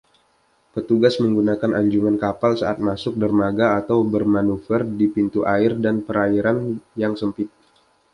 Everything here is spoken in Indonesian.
Petugas menggunakan anjungan kapal saat masuk dermaga atau bermanuver di pintu air dan perairan yang sempit.